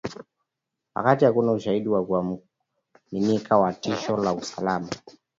Wakati hakuna ushahidi wa kuaminika wa tishio la usalama